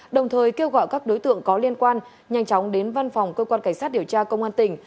đồng thời kêu gọi các đối tượng có liên quan nhanh chóng đến văn phòng cơ quan cảnh sát điều tra công an tỉnh